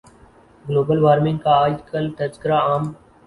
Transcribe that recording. global warming کا آج کل تذکرہ عام